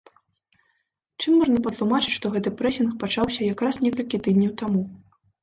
Чым можна патлумачыць, што гэты прэсінг пачаўся якраз некалькі тыдняў таму?